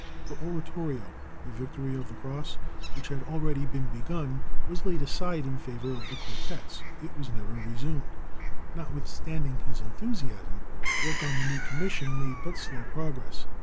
The Oratorio, "The Victory of the Cross," which had already been begun, was laid aside in favor of the quartets; it was never resumed. Notwithstanding his enthusiasm, work on the new commission made but slow progress.